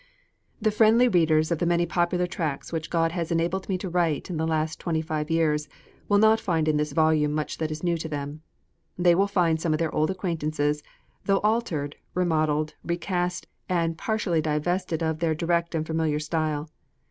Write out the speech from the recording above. The friendly readers of the many popular tracts which God has enabled me to write in the last twenty five years, will not find in this volume much that is new to them. They will find some of their old acquaintances, though altered, remodelled, recast, and partially divested of their direct and familiar style.